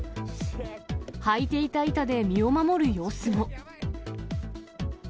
はいていた板で身を守る様子も。